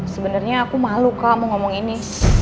sebenarnya aku malu kak mau ngomong ini